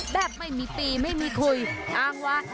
แบบไม่มีปีไม่มีคุยอ้างว่า